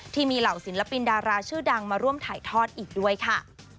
ที่มีเหล่าศิลปินดาราชื่อดังมาร่วมถ่ายทอดอีกด้วยค่ะ